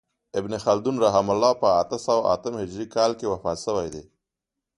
ابن خلدون رحمة الله په اته سوه اتم هجري کال کښي وفات سوی دئ.